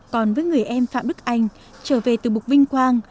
còn với người em phạm đức anh trở về từ bục vinh quang